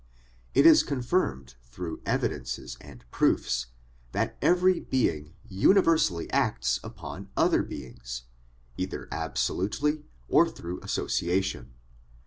It is confirmed through evidences and proofs that every being universaDy acts upon other beings, either absolutely or through associa tion.